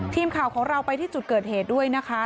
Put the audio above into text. ทีมข่าวของเราไปที่จุดเกิดเหตุด้วยนะคะ